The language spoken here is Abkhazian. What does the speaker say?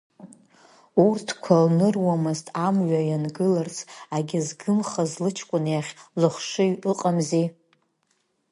Урҭқәа лныруамызт, амҩа иангыларц агьызгымхаз лыҷкәын иахь лыхшыҩ ыҟамзи.